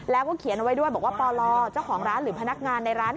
แล้วก็เขียนเอาไว้ด้วยบอกว่าปลเจ้าของร้านหรือพนักงานในร้าน